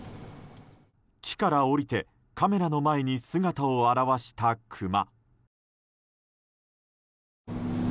木から下りてカメラの前に姿を現したクマ。